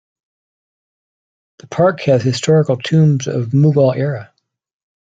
The Park has historical tombs of Mughal Era.